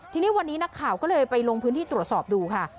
ทีนี้วันนี้นักข่าวก็เลยไปลงพื้นที่ตรวจสอบดูค่ะ